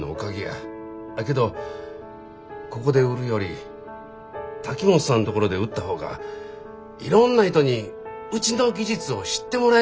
けどここで売るより瀧本さんのところで売った方がいろんな人にうちの技術を知ってもらえるんちゃうかって。